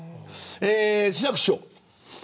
志らく師匠。